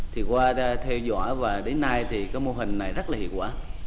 thì qua theo dõi và đến nay thì cái mô hình này rất là hiệu quả